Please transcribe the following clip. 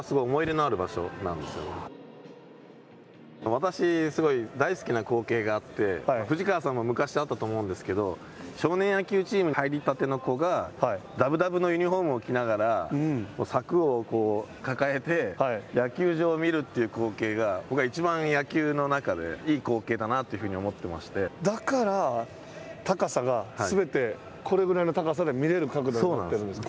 私、すごい大好きな光景があって、藤川さんも昔あったと思うんですけど、少年野球チームに入りたての子が、だぶだぶのユニホームを着ながら柵を抱えて、野球場を見るという光景が僕はいちばん野球の中で、いい光景だなだから、高さがすべてこれぐらいの高さで見れる角度になっているんですか。